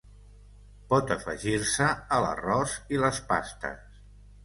Pot afegir-se a l'arròs i les pastes.